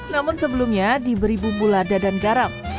namun sebelumnya diberi bumbu lada dan garam